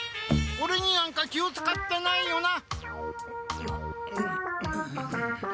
オレになんか気をつかってないよな。